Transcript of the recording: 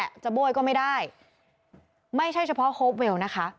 จะโบ้ยก็ไม่ได้ไม่ใช่เฉพาะโฮปเวลนะคะ